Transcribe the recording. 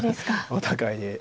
お互いに。